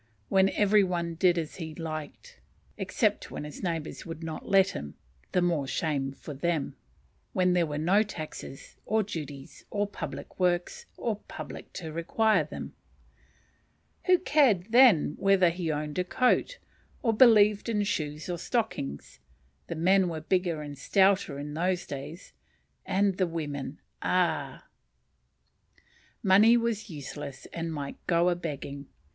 When every one did as he liked, except when his neighbours would not let him, (the more shame for them,) when there were no taxes, or duties, or public works, or public to require them. Who cared then whether he owned a coat? or believed in shoes or stockings? The men were bigger and stouter in those days; and the women, ah! Money was useless and might go a begging.